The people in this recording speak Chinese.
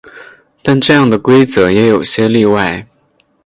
但这样的规则也有些例外。